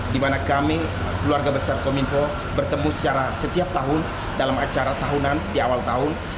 di mana kami keluarga besar kominfo bertemu secara setiap tahun dalam acara tahunan di awal tahun